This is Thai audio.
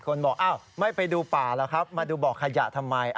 บอกอ้าวไม่ไปดูป่าล่ะครับมาดูบ่อขยะทำไม